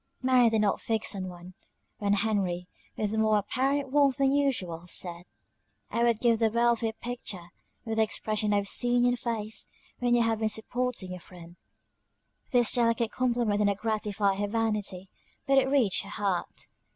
Mary did not fix on one when Henry, with more apparent warmth than usual, said, "I would give the world for your picture, with the expression I have seen in your face, when you have been supporting your friend." This delicate compliment did not gratify her vanity, but it reached her heart.